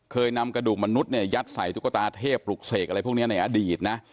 เคยนำกระดูกมนุษย์เนี่ยยัดใส่ตุ๊กตาเทพปลุกเสกอะไรพวกนี้ในอดีตนะ